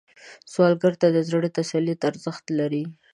سوالګر ته د زړه تسلیت ارزښت لري